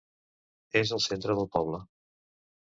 És al centre del poble.